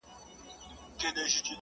• حقيقت بايد ومنل سي دلته..